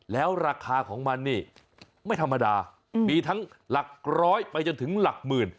แล้วราคาของมันนี่ไม่ธรรมดามีทั้งหลักร้อยไปจนถึงหลักหมื่น